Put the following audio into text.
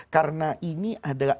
karena ini adalah